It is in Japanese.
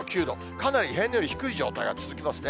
かなり平年より低い状態が続きますね。